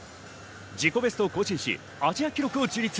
自己ベストを更新し、アジア記録を樹立。